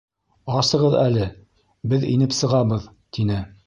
— Асығыҙ әле, беҙ инеп сығабыҙ, — тине.